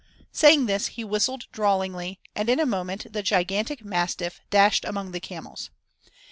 Saying this he whistled drawlingly and in a moment the gigantic mastiff dashed among the camels.